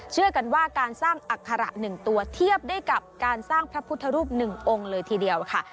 เชื่อกันว่าการสร้างอัคระ๑ตัวเทียบได้กับการสร้างพระพุทธรูป๑องค์เลยทีเดียวค่ะ